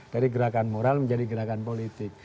dari gerakan moral menjadi gerakan politik